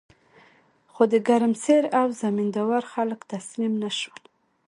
خو د ګرمسیر او زمین داور خلک تسلیم نشول.